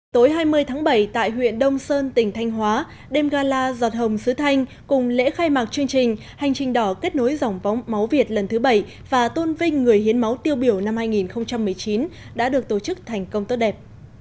tối hai mươi tháng bảy tại huyện đông sơn tỉnh thanh hóa đêm gala giọt hồng sứ thanh cùng lễ khai mạc chương trình hành trình đỏ kết nối dòng bóng máu việt lần thứ bảy và tôn vinh người hiến máu tiêu biểu năm hai nghìn một mươi chín đã được tổ chức thành công tốt đẹp